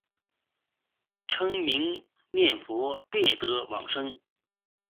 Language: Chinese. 称名念佛必得往生。